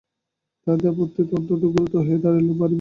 তাহাদের আপত্তি অত্যন্ত গুরুতর হইয়া দাঁড়াইল, বাড়ি বিক্রয় স্থগিত হইল।